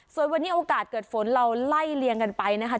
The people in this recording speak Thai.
ส่วนวันนี้โอกาสเกิดฝนเราไล่เลียงกันไปนะคะ